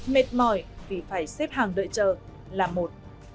mệt mỏi vì phải xếp hàng đợi chờ là một